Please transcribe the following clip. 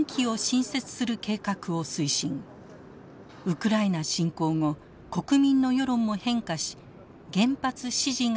ウクライナ侵攻後国民の世論も変化し原発支持が更に広がっています。